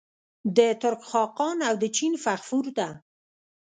د ترک خاقان او د چین فغفور ته.